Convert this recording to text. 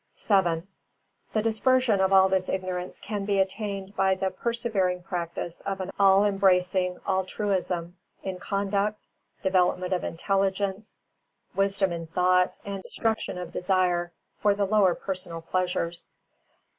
VII The dispersion of all this ignorance can be attained by the persevering practice of an all embracing altruism in conduct, development of intelligence, wisdom in thought, and destruction of desire for the lower personal pleasures.